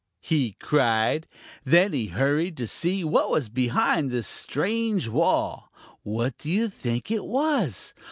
he cried. Then he hurried to see what was behind the strange wall. What do you think it was?